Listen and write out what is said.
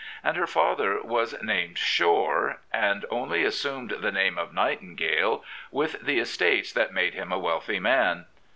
And her father was named Shore, and only assumed the name of Nightin gale with the estates that made him a wealthy man.